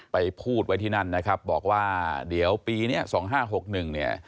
ไปพูดไว้ที่นั่นนะครับบอกว่าเดี๋ยวปีนี้๒๕๖๑เนี่ย